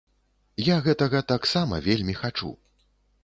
Я гэтага таксама вельмі хачу.